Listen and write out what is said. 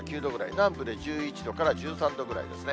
南部で１１度から１３度ぐらいですね。